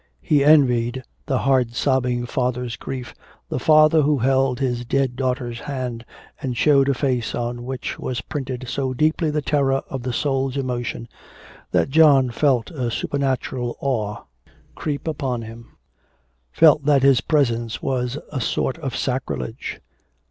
He envied the hard sobbing father's grief, the father who held his dead daughter's hand, and showed a face on which was printed so deeply the terror of the soul's emotion, that John felt a supernatural awe creep upon him; felt that his presence was a sort of sacrilege.